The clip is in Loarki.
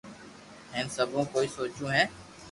ھين سبو ڪوئي سوچو ھي